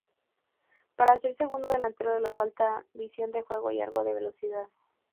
Para ser segundo delantero le falta visión de juego y algo de velocidad.